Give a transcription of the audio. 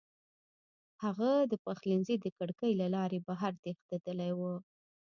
هغه د پخلنځي د کړکۍ له لارې بهر تښتېدلی و